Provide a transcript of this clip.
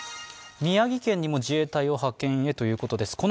宮城県にも自衛隊を派遣へということです。